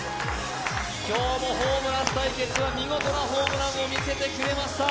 今日のホームラン対決は、見事なホームランを見せてくれました。